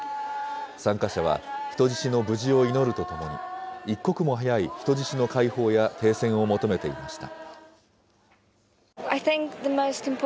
参加者は人質の無事を祈るとともに、一刻も早い人質の解放や停戦を求めていました。